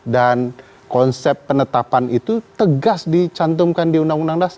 dan konsep penetapan itu tegas dicantumkan di uud